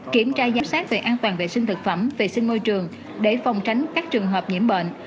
kiểm tra giám sát về an toàn vệ sinh thực phẩm vệ sinh môi trường để phòng tránh các trường hợp nhiễm bệnh